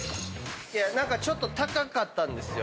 何かちょっと高かったんですよ。